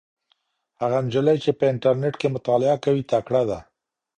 هغه نجلۍ چې په انټرنيټ کې مطالعه کوي تکړه ده.